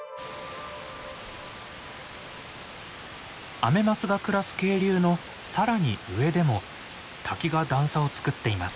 アメマスが暮らす渓流の更に上でも滝が段差をつくっています。